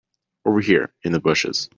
Over here in the bushes.